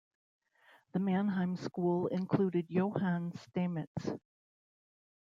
The Mannheim school included Johann Stamitz.